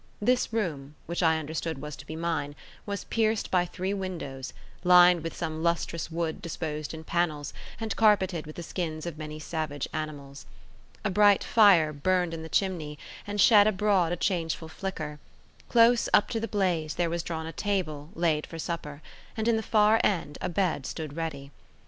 This room, which I understood was to be mine, was pierced by three windows, lined with some lustrous wood disposed in panels, and carpeted with the skins of many savage animals. A bright fire burned in the chimney, and shed abroad a changeful flicker; close up to the blaze there was drawn a table, laid for supper; and in the far end a bed stood ready.